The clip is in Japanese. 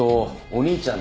お兄ちゃん！